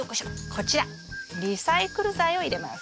こちらリサイクル材を入れます。